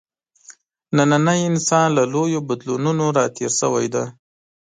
نننی انسان له لویو بدلونونو راتېر شوی دی.